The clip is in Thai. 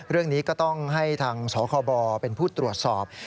เรื่องนี้ก็ต้องให้ทางสคบเป็นผู้ตรวจสอบ